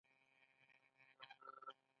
علي ته د راز خبره مه کوه